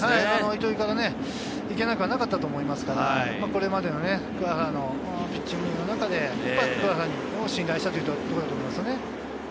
糸井からいけなくはなかったと思いますから、これまでの鍬原のピッチングの中で鍬原を信頼したというところだと思いますね。